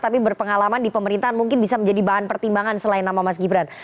tapi berpengalaman di pemerintahan mungkin bisa menjadi bahan pertimbangan selain nama mas gibran